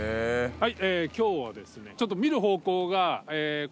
はい。